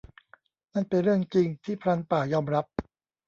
นั่นเป็นเรื่องจริง ที่ พรานป่า ยอมรับ